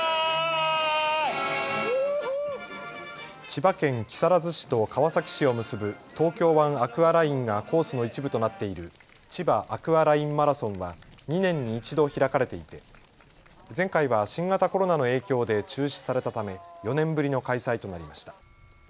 千葉県木更津市と川崎市を結ぶ東京湾アクアラインがコースの一部となっているちばアクアラインマラソンは２年に１度、開かれていて前回は新型コロナの影響で中止されたため４年ぶりの開催となりました。